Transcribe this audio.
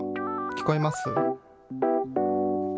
聞こえます？